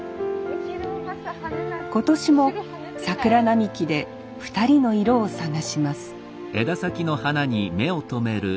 今年も桜並木で２人の色を探します